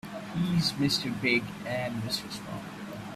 He's Mr. Big and Mr. Small.